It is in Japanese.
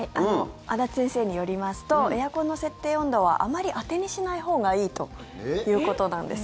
安達先生によりますとエアコンの設定温度はあまり当てにしないほうがいいということなんです。